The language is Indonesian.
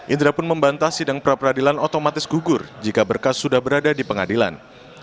indra pun membantah sidang pra peradilan otomatis gugur jika berkas sudah berada di pengadilan